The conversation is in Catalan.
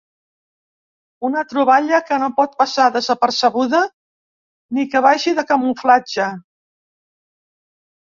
Una troballa que no pot passar desapercebuda ni que vagi de camuflatge.